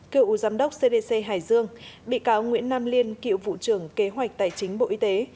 cựu giám đốc cdc hải dương bị cáo nguyễn nam liên cựu vụ trưởng kế hoạch tài chính bộ y tế